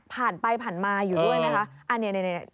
ผ่านไปผ่านมาอยู่ด้วยนะคะ